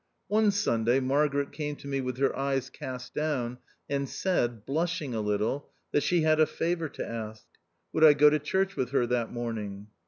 One Sunday, Margaret came to me with her eyes cast down, and said, blushing a little, that she had a favour to ask : would I go to church with her that morning